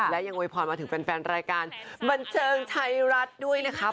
และยังโวยพรมาถึงแฟนรายการบันเทิงไทยรัฐด้วยนะคะ